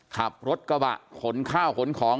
ขับรถกระบะขนข้าวขนของ